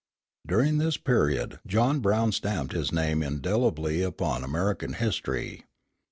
During this period John Brown stamped his name indelibly upon American history.